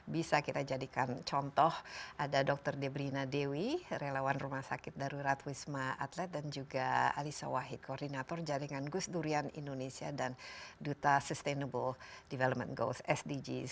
bisa kita jadikan contoh ada dr debrina dewi relawan rumah sakit darurat wisma atlet dan juga alisa wahid koordinator jaringan gus durian indonesia dan duta sustainable development goals sdgs